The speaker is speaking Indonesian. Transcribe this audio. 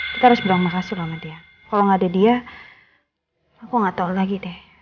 kita harus bertema kasih sama dia kalau nggak ada dia aku nggak tahu lagi deh